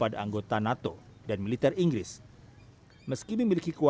dan juga olimpiade